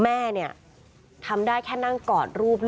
คือตอนที่แม่ไปโรงพักที่นั่งอยู่ที่สพ